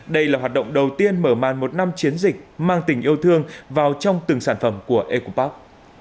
đây là hoạt động đầu tiên mở màn một năm chiến dịch mang tình yêu thương vào trong từng sản phẩm của eco park